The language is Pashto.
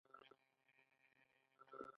آیا کاناډا د ښځو چارو اداره نلري؟